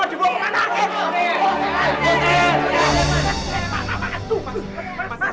tidak enggak enggak